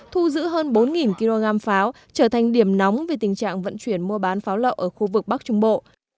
thu giữ hơn bốn kg pháo trở thành điểm nóng về tình trạng vận chuyển mua bán pháo lậu ở khu vực bắc trung bộ